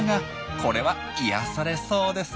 これは癒やされそうですねえ。